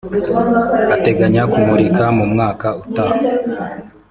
ateganya kumurika mu mwaka utaha